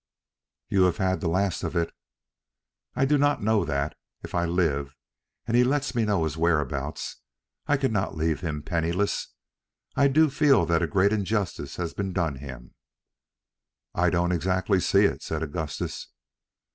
"You have had the last of it." "I do not know that. If I live, and he lets me know his whereabouts, I cannot leave him penniless. I do feel that a great injustice has been done him." "I don't exactly see it," said Augustus.